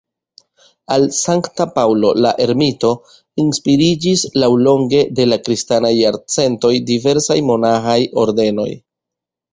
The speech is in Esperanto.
Al Sankta Paŭlo la Ermito inspiriĝis laŭlonge de la kristanaj jarcentoj diversaj monaĥaj ordenoj.